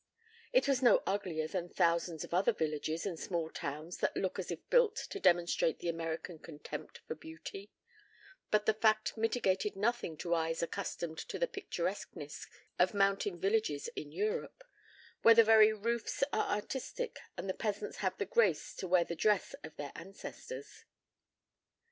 It was no uglier than thousands of other villages and small towns that look as if built to demonstrate the American contempt for beauty, but the fact mitigated nothing to eyes accustomed to the picturesqueness of mountain villages in Europe, where the very roofs are artistic and the peasants have the grace to wear the dress of their ancestors.